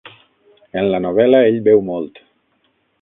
En la novel·la ell beu molt.